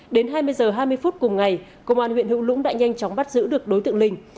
đến hai mươi h hai mươi phút cùng ngày công an huyện hữu lũng đã nhanh chóng bắt giữ được đối tượng linh